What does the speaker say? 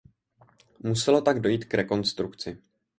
Muselo tak dojít k rekonstrukci.